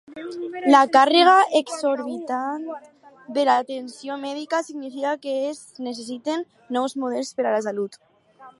La càrrega exorbitant de l'atenció mèdica significa que es necessiten nous models per a la salut.